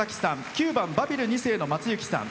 ９番「バビル２世」のまつゆきさん。